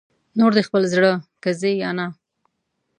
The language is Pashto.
نور دې خپل زړه که ځې یا نه